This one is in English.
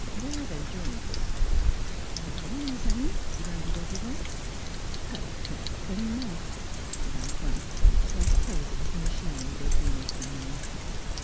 There they joined us. "Alors, mes amis?" demanded every one. "Pas la peine, très mal faite," said "Antoine"; so I suppose it was the machinery they had been examining.